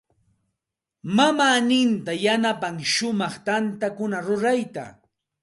Mamaaninta yanapan shumaq tantakuna rurayta.